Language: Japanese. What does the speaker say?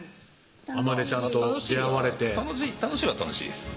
あまねちゃんと出会われて楽しいは楽しいです